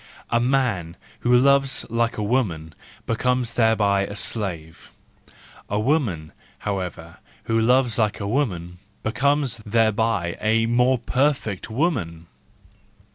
A man who loves like a woman becomes thereby a slave ; a woman, however, who loves like a woman becomes thereby a more perfect woman.